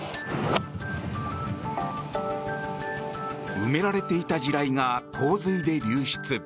埋められていた地雷が洪水で流出。